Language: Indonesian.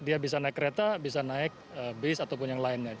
dia bisa naik kereta bisa naik bis ataupun yang lainnya